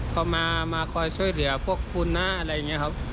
เขามาคอยช่วยเหลือพวกคุณนะอะไรอย่างนี้ครับ